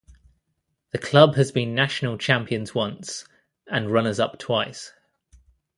The club has been national champions once and runners-up twice.